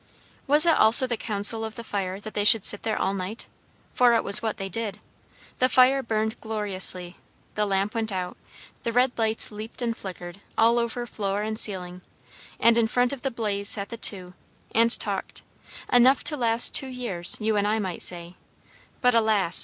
Was it also the counsel of the fire that they should sit there all night? For it was what they did. The fire burned gloriously; the lamp went out; the red lights leaped and flickered all over floor and ceiling; and in front of the blaze sat the two, and talked; enough to last two years, you and I might say; but alas!